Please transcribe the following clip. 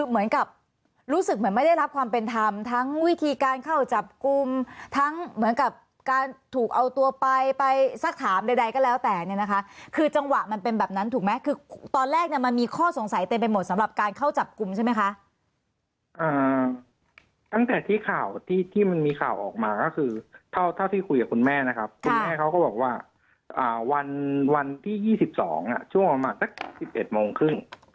เหมือนกับรู้สึกเหมือนไม่ได้รับความเป็นธรรมทั้งวิธีการเข้าจับกลุ่มทั้งเหมือนกับการถูกเอาตัวไปไปสักถามใดก็แล้วแต่เนี่ยนะคะคือจังหวะมันเป็นแบบนั้นถูกไหมคือตอนแรกมันมีข้อสงสัยเต็มไปหมดสำหรับการเข้าจับกลุ่มใช่ไหมคะตั้งแต่ที่ข่าวที่มันมีข่าวออกมาก็คือเท่าที่คุยกับคุณแ